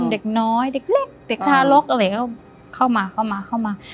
เด็กน้อยเด็กเล็กเด็กทารกอะไรก็เข้ามาเข้ามา